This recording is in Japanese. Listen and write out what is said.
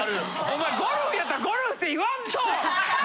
お前ゴルフやったらゴルフって言わんと！